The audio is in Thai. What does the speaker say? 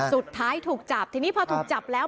สุดท้ายถูกจับทีนี้พอถูกจับแล้ว